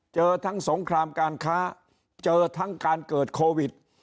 เจอทั้งสงครามการค้าเจอทั้งการเกิดโควิด